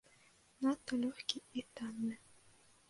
Надта лёгкі і танны.